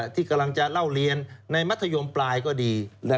ที่กำลังจะเล่าเรียนในมัธยมปลายก็ดี